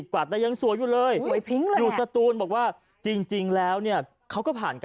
คุณยุนี่นะคะ